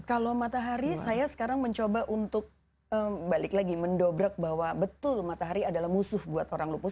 kalau matahari saya sekarang mencoba untuk balik lagi mendobrak bahwa betul matahari adalah musuh buat orang lupus